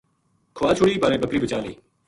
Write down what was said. کھوال چھُڑی با بکری بچا لئی